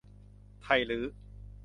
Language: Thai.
ไทลื้อ